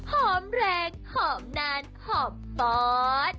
หอมแรงหอมนานหอมฟอส